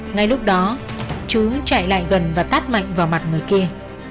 ngay lúc đó chú chạy lại gần và tát mạnh vào mặt người kia